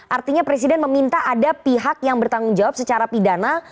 artinya presiden meminta ada pihak yang bertanggung jawab secara pidana